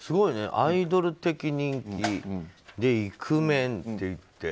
アイドル的人気でイクメンっていって。